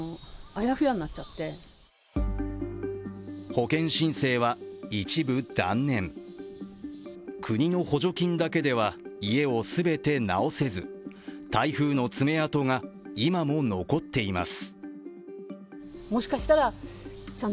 保険申請は一部断念、国の補助金だけでは家を全て直せず台風の爪痕が今も残っています。